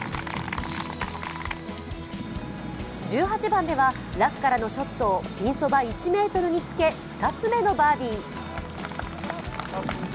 １８番では、ラフからのショットをピンそば１ｍにつけ２つ目のバーディー。